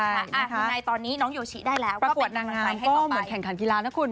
ยังไงตอนนี้น้องโยชิได้แล้วก็เป็นตอนใหม่ให้ต่อไปประกวดนางงามก็เหมือนแข่งขันกีฬานะคุณ